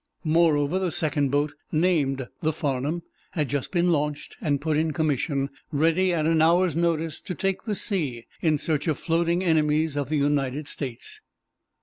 Moreover, the second boat, named the "Farnum," had just been launched and put in commission, ready at an hour's notice to take the sea in search of floating enemies of the United States.